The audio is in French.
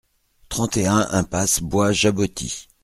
trente et un impasse Bois Jaboti